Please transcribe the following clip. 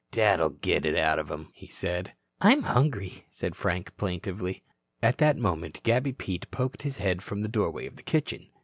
"Dad'll get it out of him," he said "I'm hungry," said Frank plaintively. At that moment, Gabby Pete poked his head from the doorway of the kitchen.